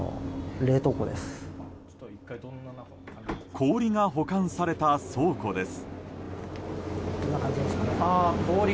氷が保管された倉庫です。